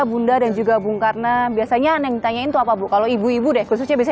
bunda dan juga bung karena biasanya neng tanyain tuh apa bu kalau ibu ibu deh khususnya bisa